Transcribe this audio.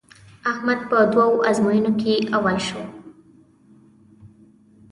احمد په دوو ازموینو کې اول شو.